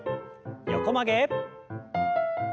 横曲げ。